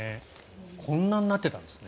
こんなになってたんですね。